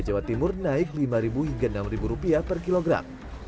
jawa timur naik lima hingga enam rupiah